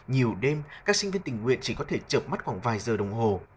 nhiều đêm các sinh viên tình nguyện chỉ có thể chợp mắt khoảng vài giờ đồng hồ